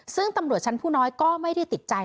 ซึ่งตำรวจชั้นผู้น้อยก็ไม่ได้ติดใจ